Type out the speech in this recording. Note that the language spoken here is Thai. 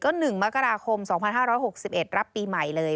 ๑มกราคม๒๕๖๑รับปีใหม่เลย